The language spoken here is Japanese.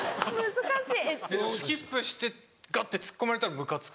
難しい。